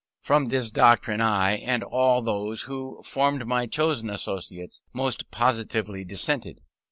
From this doctrine, I, and all those who formed my chosen associates, most positively dissented.